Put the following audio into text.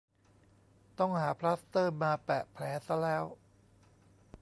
ต้องหาพลาสเตอร์มาแปะแผลซะแล้ว